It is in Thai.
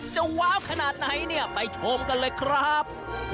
ว้าวขนาดไหนเนี่ยไปชมกันเลยครับ